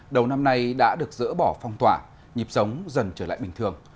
đầu năm nay đã được dỡ bỏ phong tỏa nhịp sống dần trở lại bình thường